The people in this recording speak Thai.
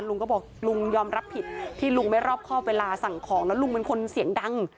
ลุงก็บอกลุงยอมรับผิดที่ลุงไม่รอบครอบเวลาสั่งของแล้วลุงเป็นคนเสียงดัง